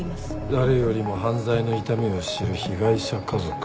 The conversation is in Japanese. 誰よりも犯罪の痛みを知る被害者家族。